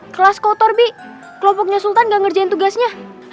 kelas kotor bik kelompoknya sultan gak ngerjain tugasnya